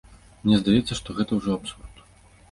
Мне здаецца, што гэта ўжо абсурд.